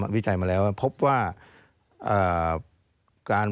วิจัยมาแล้วพบว่าการ